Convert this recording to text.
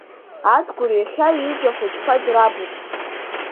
Адгәыр иахьа ҩыџьа ахәыҷқәа драбуп.